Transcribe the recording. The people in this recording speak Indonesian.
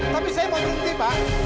tapi saya mau mimpi pak